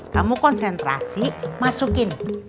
kamu konsentrasi masukin